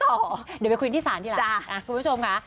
เดี๋ยวไปคุยกันที่สารทีล่ะคุณผู้ชมค่ะ